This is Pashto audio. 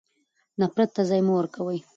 نفرت ته ځای مه ورکوئ.